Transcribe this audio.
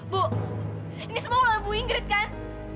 bu ini semua karena bu ingrid kan